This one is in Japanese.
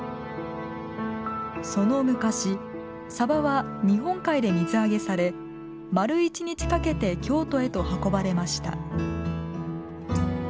その昔さばは日本海で水揚げされ丸一日かけて京都へと運ばれました。